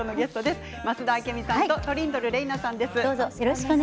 増田明美さんトリンドル玲奈さんです。